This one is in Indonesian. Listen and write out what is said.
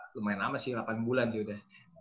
lumayan lama sih delapan bulan sih udah